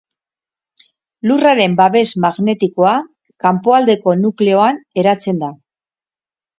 Lurraren babes magnetikoa kanpoaldeko nukleoan eratzen da.